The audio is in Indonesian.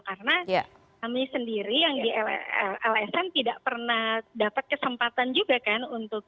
karena kami sendiri yang di lsm tidak pernah dapat kesempatan juga kan